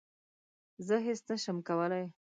زه هیڅ نه شم کولای